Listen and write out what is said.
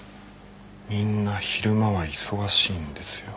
みんな昼間は忙しいんですよ。